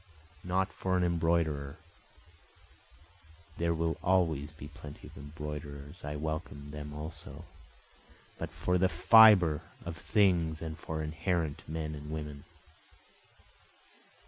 Not for an embroiderer, (There will always be plenty of embroiderers, I welcome them also,) But for the fibre of things and for inherent men and women.